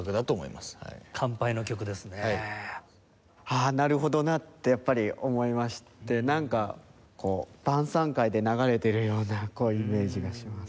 ああなるほどなってやっぱり思いましてなんかこう晩餐会で流れてるようなイメージがします。